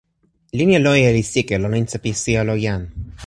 linja loje li sike lon insa pi sijelo jan.